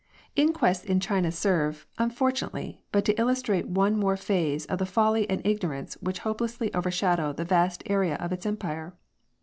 Inquests in China serve, unfortunately, but to illus trate one more phase of the folly and ignorance which hopelessly overshadow the vast area of its Empire.